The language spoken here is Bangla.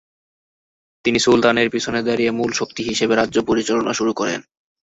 তিনি সুলতানের পিছনে দাঁড়িয়ে মূল শক্তি হিসেবে রাজ্য পরিচালনা শুরু করেন।